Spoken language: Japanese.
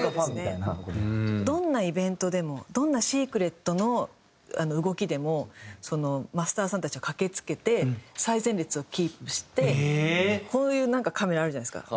どんなイベントでもどんなシークレットの動きでもマスターさんたちは駆け付けて最前列をキープしてこういうなんかカメラあるじゃないですか。